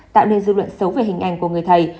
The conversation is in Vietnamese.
tạo nên dư luận xấu về hình ảnh của người thầy